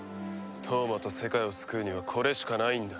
飛羽真と世界を救うにはこれしかないんだ。